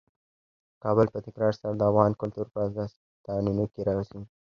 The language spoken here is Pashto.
کابل په تکرار سره د افغان کلتور په داستانونو کې راځي.